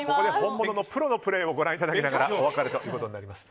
ここで本物のプロのプレーをご覧いただきながらお別れです。